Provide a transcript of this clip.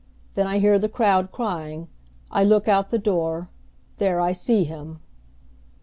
Then I hear the crowd crying, I look out the door there I see him!"